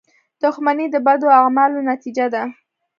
• دښمني د بدو اعمالو نتیجه ده.